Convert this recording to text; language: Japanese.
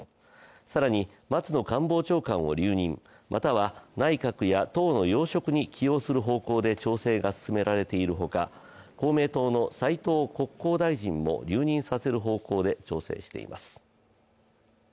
更に松野官房長官を留任、または内閣や党の要職に起用する方向で調整が進められているほか公明党の斉藤国交大臣も留任させる方向で調整しています。